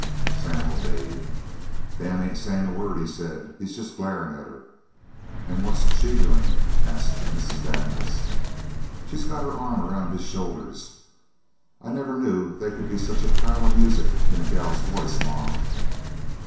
Sam obeyed. "Dan ain't sayin' a word," he said. "He's jest glarin' at her." "An' what's she doin'?" asked Mrs. Daniels. "She's got her arm around his shoulders. I never knew they could be such a pile of music in a gal's voice, ma!"